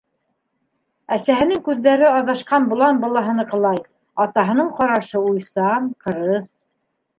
Әсәһенең күҙҙәре аҙашҡан болан балаһыныҡылай, атаһының ҡарашы уйсан, ҡырыҫ...